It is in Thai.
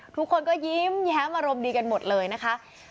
ทุกคนก็ยิ้มแย้มอารมณ์ดีกันหมดเลยนะคะ